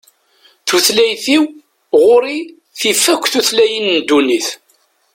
Tutlayt-iw, ɣur-i tif akk tutlayin n ddunit.